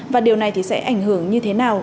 và điều này thì sẽ ảnh hưởng như thế nào